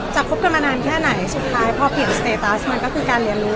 คบกันมานานแค่ไหนสุดท้ายพอเปลี่ยนสเตตัสมันก็คือการเรียนรู้